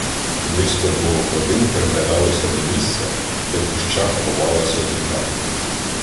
Близько двох годин приглядалися до місця, де в кущах ховалася землянка.